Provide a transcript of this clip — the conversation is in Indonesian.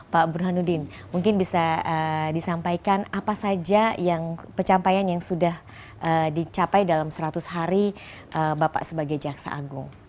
pak burhanuddin mungkin bisa disampaikan apa saja yang pencapaian yang sudah dicapai dalam seratus hari bapak sebagai jaksa agung